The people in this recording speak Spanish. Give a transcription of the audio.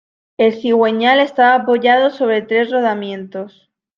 El cigüeñal estaba apoyado sobre tres rodamientos.